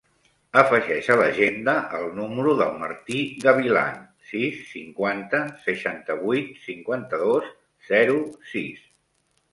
Afegeix a l'agenda el número del Martí Gavilan: sis, cinquanta, seixanta-vuit, cinquanta-dos, zero, sis.